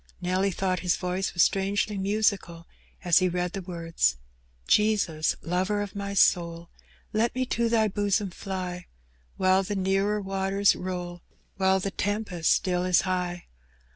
Nelly thought his voice was strangely musical as he read the words —Jesns, lover of my soul, Let me to Thy bosom fly, While the nearer waters roll, While the tempest still is high.